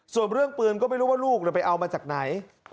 ส่วนเรื่องปืนก็ไม่รู้ว่าลูกไปเอามาจากไหน